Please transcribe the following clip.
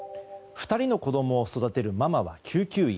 ２人の子供を育てるママは救命救急医。